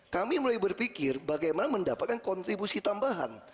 kami mulai berpikir bagaimana mendapatkan kontribusi tambahan